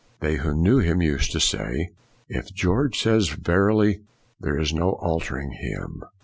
They who knew him used to say, " If George says verily, there is no altering him.'